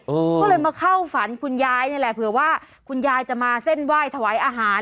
ก็เลยมาเข้าฝันคุณยายนี่แหละเผื่อว่าคุณยายจะมาเส้นไหว้ถวายอาหาร